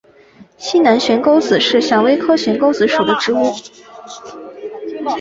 西南悬钩子是蔷薇科悬钩子属的植物。